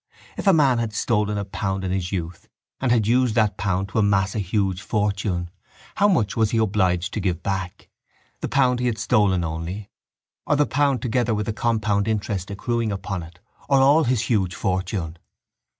If a man had stolen a pound in his youth and had used that pound to amass a huge fortune how much was he obliged to give back, the pound he had stolen only or the pound together with the compound interest accruing upon it or all his huge fortune?